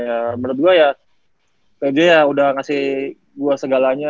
ya menurut gue ya pj udah ngasih gue segalanya